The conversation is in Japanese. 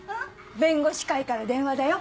弁護士会から電話だよ。